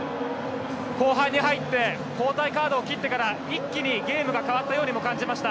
後半に入って交代カードを切ってから一気にゲームが変わったようにも感じました。